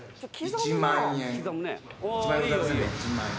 １万円。